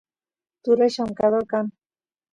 turay llamkador kan